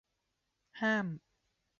ห้าม